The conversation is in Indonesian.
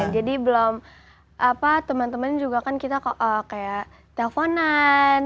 jadi belum temen temen juga kan kita kayak telponan